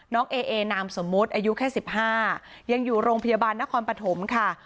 เอเอนามสมมุติอายุแค่๑๕ยังอยู่โรงพยาบาลนครปฐมค่ะ